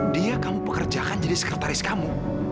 dia kamu pekerjakan jadi sekretaris kamu